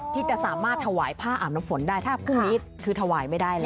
ที่จะสามารถถวายผ้าอาบน้ำฝนได้ถ้าพรุ่งนี้คือถวายไม่ได้แล้ว